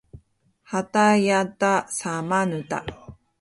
はたやたさまぬた